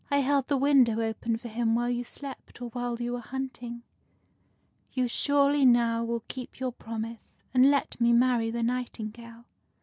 I held the window open for him while you slept or while you were hunting. You surely now will keep your promise, and let me marry the nightingale."